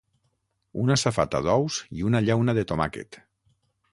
Una safata d'ous i una llauna de tomàquet.